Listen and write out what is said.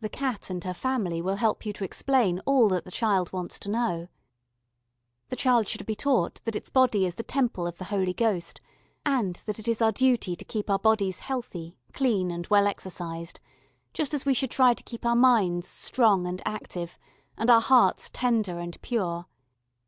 The Cat and her family will help you to explain all that the child wants to know. The child should be taught that its body is the Temple of the Holy Ghost, and that it is our duty to keep our bodies healthy, clean, and well exercised, just as we should try to keep our minds strong and active, and our hearts tender and pure.